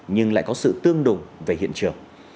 nhưng lại có sự tương đồng về hiện trường